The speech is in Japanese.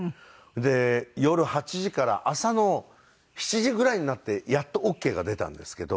で夜８時から朝の７時ぐらいになってやっとオーケーが出たんですけど。